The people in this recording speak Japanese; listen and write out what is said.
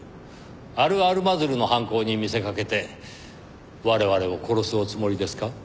アル・アルマズルの犯行に見せかけて我々を殺すおつもりですか？